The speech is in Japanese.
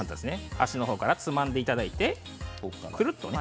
脚の方からつまんでいただいてくるっとね。